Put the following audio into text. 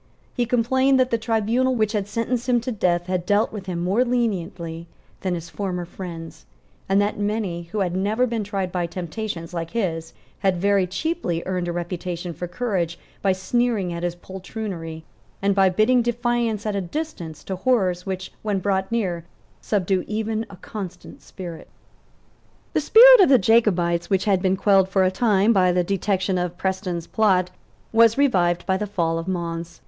He complained that the tribunal which had sentenced him to death had dealt with him more leniently than his former friends, and that many, who had never been tried by temptations like his, had very cheaply earned a reputation for courage by sneering at his poltroonery, and by bidding defiance at a distance to horrors which, when brought near, subdue even a constant spirit. The spirit of the Jacobites, which had been quelled for a time by the detection of Preston's plot, was revived by the fall of Mons.